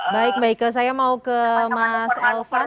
baik baike saya mau ke mas alvan